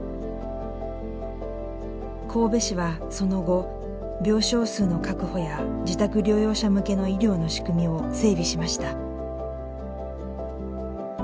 神戸市はその後病床数の確保や自宅療養者向けの医療の仕組みを整備しました。